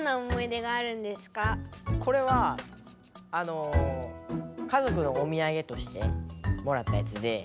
これはあの家族のおみやげとしてもらったやつで。